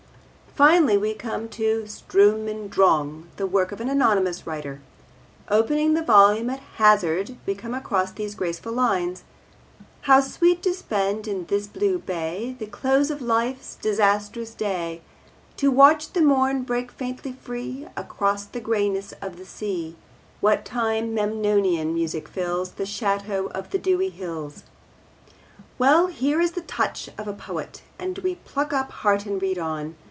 Finally we come to Sturm und Drang, the work of an anonymous writer. Opening the volume at hazard we come across these graceful lines: How sweet to spend in this blue bay The close of life's disastrous day, To watch the morn break faintly free Across the greyness of the sea, What time Memnonian music fills The shadows of the dewy hills. Well, here is the touch of a poet, and we pluck up heart and read on.